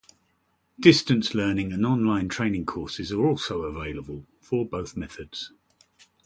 Distance learning and online training courses are also available for both methods.